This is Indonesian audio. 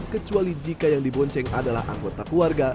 kecuali jika yang dibonceng adalah anggota keluarga